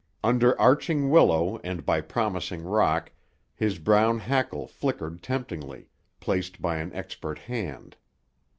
Under arching willow, and by promising rock, his brown hackle flickered temptingly, placed by an expert hand.